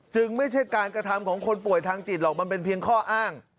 ไม่ใช่การกระทำของคนป่วยทางจิตหรอกมันเป็นเพียงข้ออ้าง